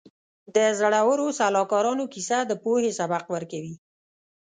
د زړورو سلاکارانو کیسه د پوهې سبق ورکوي.